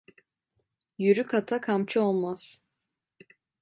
Yürük ata kamçı olmaz.